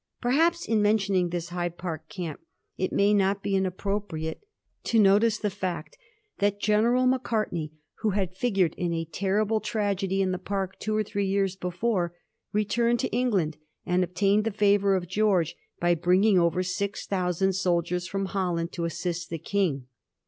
Perhaps in mentioning this Hyde Park camp it may not be inappropriate to notice the fact that General Macartney, who had figured in a terrible tragedy in the Park two or three years before, returned to England, and obtained the favour of George by bringing over six thousand soldiers fix)m Holland to assist the King.